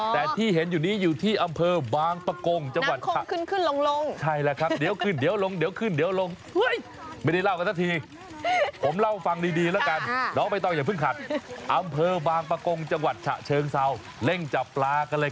แต่ที่เห็นอยู่นี้อยู่ที่อำเภอบางปะกงจังหวัดฉะเชิงเซา